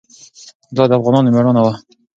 دا د افغانانو مېړانه وه.